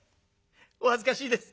お恥ずかしいです」。